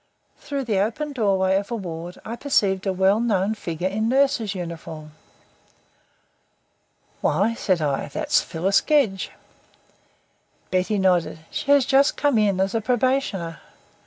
Through the open doorway of a ward I perceived a well known figure in nurse's uniform. "Why," said I, "there's Phyllis Gedge." Betty nodded. "She has just come in as a probationer."